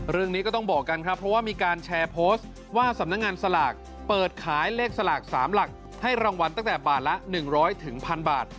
เรื่องนี้ก็ต้องบอกกันครับเพราะว่ามีการแชร์โพสต์ว่าสำนักงานสลากเปิดขายเลขสลาก๓หลักให้รางวัลตั้งแต่บาทละ๑๐๐๑๐๐บาท